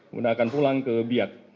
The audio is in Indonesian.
kemudian akan pulang ke biak